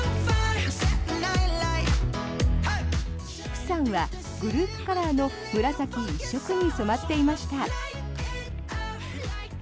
釜山はグループカラーの紫一色に染まっていました。